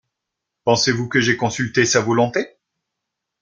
Pensez-vous que j’aie consulté sa volonté ?